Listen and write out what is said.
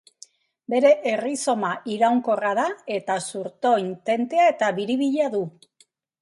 Bere errizoma iraunkorra da eta zurtoin tentea eta biribila du.